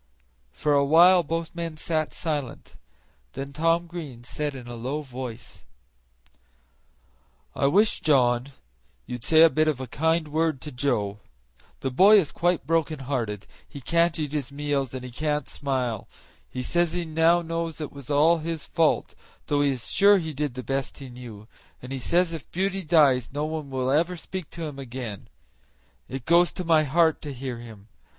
For awhile both men sat silent, and then Tom Green said in a low voice: "I wish, John, you'd say a bit of a kind word to Joe. The boy is quite broken hearted; he can't eat his meals, and he can't smile. He says he knows it was all his fault, though he is sure he did the best he knew, and he says if Beauty dies no one will ever speak to him again. It goes to my heart to hear him.